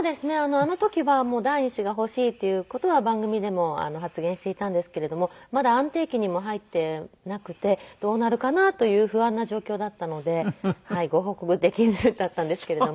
あの時は第２子が欲しいっていう事は番組でも発言していたんですけれどもまだ安定期にも入っていなくてどうなるかな？という不安な状況だったのでご報告できずだったんですけれども。